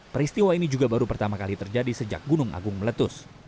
peristiwa ini juga baru pertama kali terjadi sejak gunung agung meletus